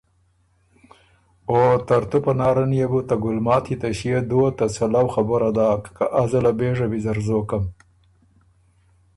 او ترتُو پناره ن يې بو ته ګلماتی ته ݭيې دُوه ته څلؤ خبُره داک۔ که ازه له پېژه ویزر زوکم۔